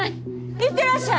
行ってらっしゃい！